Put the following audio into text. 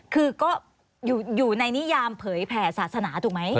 คือก็อยู่ในนิยามเผยแผ่ศาสนาถูกไหม